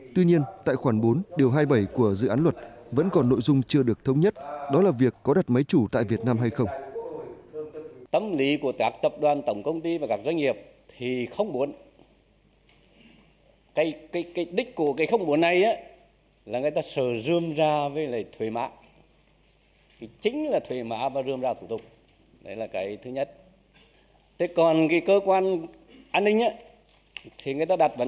tuy nhiên tại khoản bốn điều hai mươi bảy của dự án luật vẫn còn nội dung chưa được thống nhất đó là việc có đặt máy chủ tại việt nam hay không